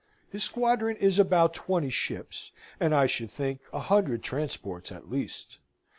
His squadron is about 20 ships, and I should think 100 transports at least.